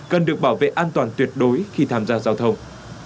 cần được bảo vệ an toàn tuyệt đối khi tham gia giao thông